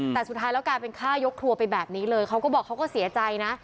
แต่สุดท้ายแล้วกลายเป็นฆ่ายกครัวไปแบบนี้เลยเขาก็บอกเขาก็เสียใจนะ